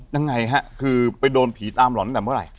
ดังไงฮะคือไปโดนผีตามหลอนกันเมื่อไหร่